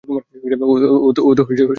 ও তোমার সাথে যায় না।